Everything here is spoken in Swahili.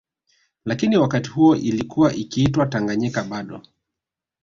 Lakini wakati huo ilikuwa ikiitwa Tanganyika bado